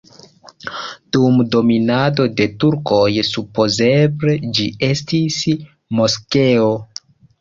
Dum dominado de turkoj supozeble ĝi estis moskeo.